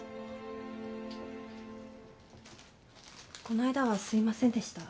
この間はすいませんでした。